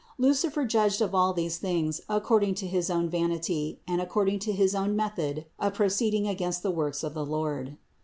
Lucifer judged of all these things according to his own vanity and according to his own method of proceeding against the works of the Lord.